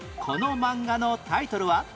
この漫画のタイトルは？